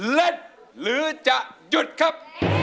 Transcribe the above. เล่นหรือจะหยุดครับ